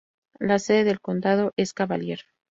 La sede del condado es Cavalier.